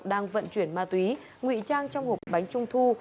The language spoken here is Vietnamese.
đang vận chuyển ma túy ngụy trang trong hộp bánh trung thu